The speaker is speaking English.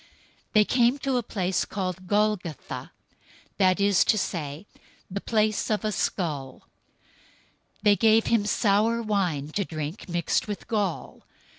027:033 They came to a place called "Golgotha," that is to say, "The place of a skull." 027:034 They gave him sour wine to drink mixed with gall.